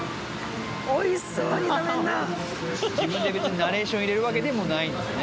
おいしそうに食べんな自分で別にナレーション入れるわけでもないんですね